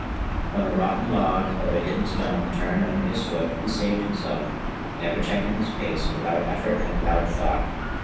When a rotten log or a hidden stone turned under his foot he saved himself, never checking his pace, without effort and without thought.